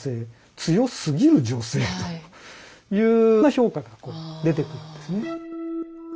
強すぎる女性という評価が出てくるんですね。